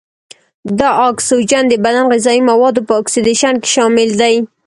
دا اکسیجن د بدن غذايي موادو په اکسیدیشن کې شامل دی.